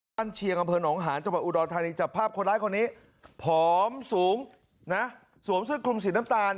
โกรธทานีจับภาพคนร้ายคนนี้ผอมสูงนะสวมซึ่งคลุมสีน้ำตาล